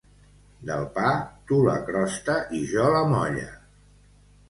Del pa, tu la crosta i jo la molla.